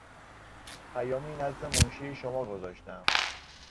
پیامی نزد منشی شما گذاشتم.